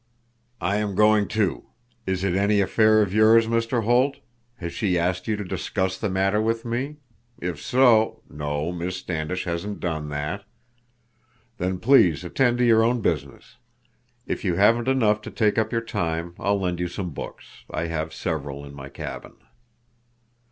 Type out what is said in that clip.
"I am going too. Is it any affair of yours, Mr. Holt? Has she asked you to discuss the matter with me? If so—" "No, Miss Standish hasn't done that." "Then please attend to your own business. If you haven't enough to take up your time, I'll lend you some books. I have several in my cabin."